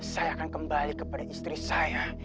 saya akan kembali kepada istri saya